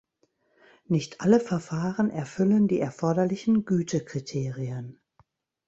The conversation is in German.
Nicht alle Verfahren erfüllen die erforderlichen Gütekriterien.